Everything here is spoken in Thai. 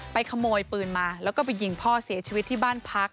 ขโมยปืนมาแล้วก็ไปยิงพ่อเสียชีวิตที่บ้านพัก